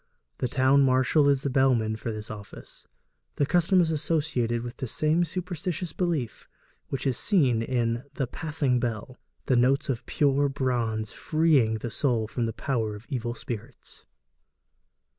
The town marshal is the bellman for this office. The custom is associated with the same superstitious belief which is seen in the 'passing bell,' the notes of pure bronze freeing the soul from the power of evil spirits.